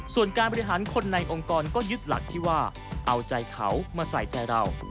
ส่วนการบริหารคนในองค์กรก็ยึดหลักที่ว่าเอาใจเขามาใส่ใจเรา